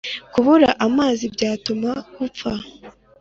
kubura amazi byatuma upfa.